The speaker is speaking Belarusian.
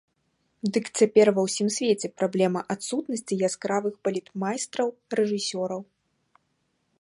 Дык цяпер ва ўсім свеце праблема адсутнасці яскравых балетмайстраў-рэжысёраў.